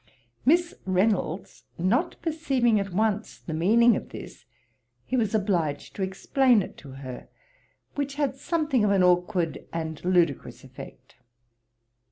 Miss Reynolds not perceiving at once the meaning of this, he was obliged to explain it to her, which had something of an aukward and ludicrous effect.